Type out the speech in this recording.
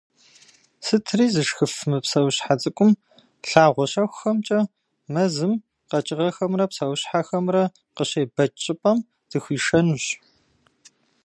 Сытри зышхыф мы псэущхьэ цӏыкӏум лъагъуэ щэхухэмкӏэ мэзым къэкӏыгъэхэмрэ псэущхьэхэмрэ къыщебэкӏ щӏыпӏэм дыхуишэнущ.